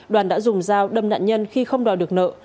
đoàn đã dùng dao đâm nạn nhân khi không đòi được nợ